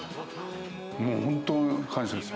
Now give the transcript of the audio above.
もう本当に感謝です。